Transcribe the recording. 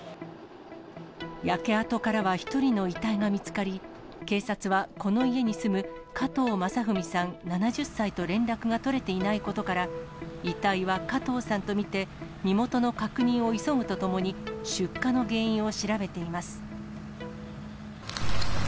焼け跡からは１人の遺体が見つかり、警察は、この家に住む加藤正文さん７０歳と連絡が取れていないことから、遺体は加藤さんと見て、身元の確認を急ぐとともに、出火の原因を調べています。